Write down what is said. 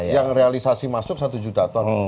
yang realisasi masuk satu juta ton